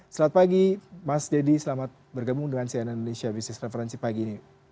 selamat pagi mas deddy selamat bergabung dengan cnn indonesia business referensi pagi ini